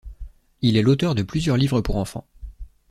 Il est l'auteur de plusieurs livres pour enfants.